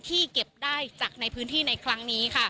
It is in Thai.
เก็บได้จากในพื้นที่ในครั้งนี้ค่ะ